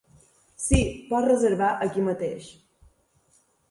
Sí, pot reservar aquí mateix.